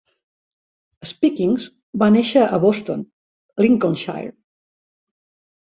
Spikings va néixer a Boston, Lincolnshire.